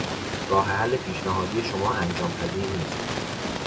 راه حل پیشنهادی شما انجام پذیر نیست.